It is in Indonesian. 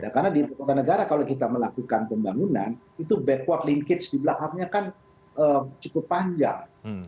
karena di ibu kota negara kalau kita melakukan pembangunan itu backward linkage di belakangnya kan cukup panjang